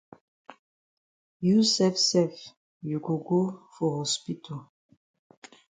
You sef sef you go go for hospital.